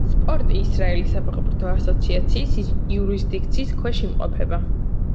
სპორტი ისრაელის საფეხბურთო ასოციაციის იურისდიქციის ქვეშ იმყოფება.